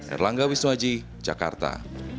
erlangga wisnuaji jakarta